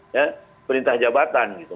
ya perintah jabatan gitu